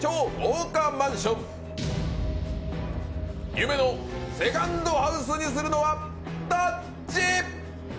夢のセカンドハウスにするのはどっち！？